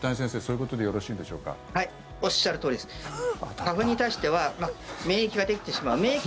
花粉に対しては免疫ができてしまう。